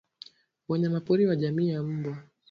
wanyamapori wa jamii ya mbwa